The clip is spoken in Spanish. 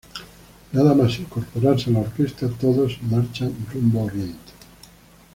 Nada más incorporarse a la orquesta, todos marchan rumbo a Oriente.